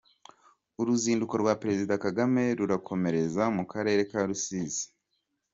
Uruzinduko rwa Perezida Kagame rurakomereza mu karere ka Rusizi.